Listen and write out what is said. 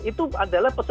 itu adalah sepeda